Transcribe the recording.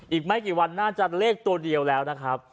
อีกไม่กี่วันน่าจะเลขตัวเดียวแล้วนะครับ